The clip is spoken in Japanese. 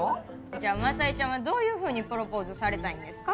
じゃあ雅江ちゃんはどういうふうにプロポーズされたいんですか？